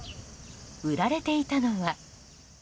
売られていたのは。